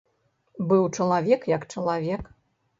Быў чалавек як чалавек.